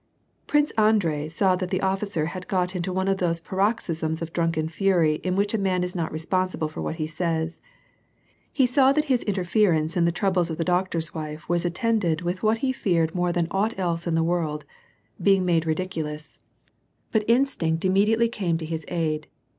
Prince Andrei saw that the officer had got into one of those paroxysms of drunken fury in which a man is not responsible for what he says. He saw that his interference in the troubles of the doctor's wife was attended with what he feared more than aught else in the world, — being made ridiculous, but in WAR AND PEACE. 197 stinct immediately came to his aid.